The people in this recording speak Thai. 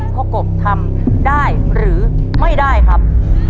กบทำได้หรือไม่ได้ครับ